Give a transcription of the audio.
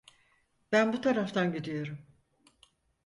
Ben bu taraftan gidiyorum.